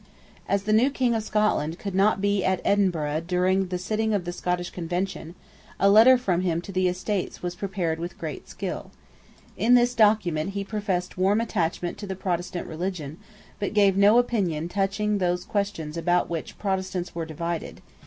As the new King of England could not be at Edinburgh during the sitting of the Scottish Convention, a letter from him to the Estates was prepared with great skill. In this document he professed warm attachment to the Protestant religion, but gave no opinion touching those questions about which Protestants were divided.